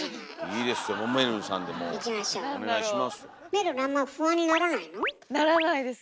めるるあんま不安にならないの？ならないです。